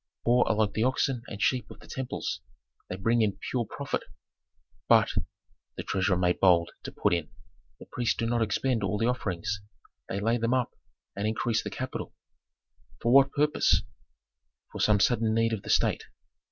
"The poor are like the oxen and sheep of the temples: they bring in pure profit " "But," the treasurer made bold to put in, "the priests do not expend all the offerings; they lay them up, and increase the capital." "For what purpose?" "For some sudden need of the state."